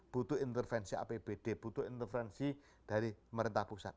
butuh intervensi apbd butuh intervensi dari pemerintah pusat